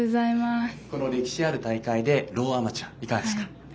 この歴史ある戦いでローアマチュア、いかがですか。